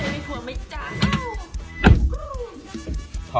บูนโอเคนะ